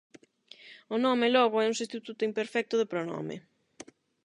O nome, logo, é un substituto imperfecto do pronome.